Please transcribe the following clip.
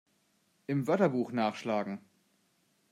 Im Wörterbuch nachschlagen!